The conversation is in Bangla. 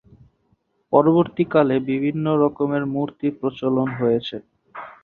পরবর্তীকালে বিভিন্ন রকমের মূর্তির প্রচলন হয়েছে।